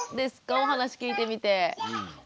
お話聞いてみて。